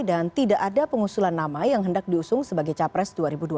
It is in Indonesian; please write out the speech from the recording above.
dan tidak ada pengusulan nama yang hendak diusung sebagai capres dua ribu dua puluh empat